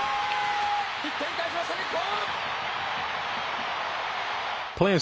１点返しました、日本。